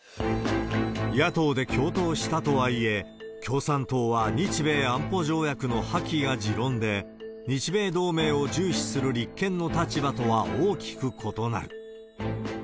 野党で共闘したとはいえ、共産党は日米安保条約の破棄が持論で、日米同盟を重視する立憲の立場とは大きく異なる。